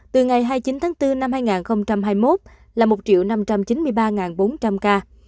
từ ngày hai mươi chín tháng bốn năm hai nghìn hai mươi một là một năm trăm chín mươi ba bốn trăm linh ca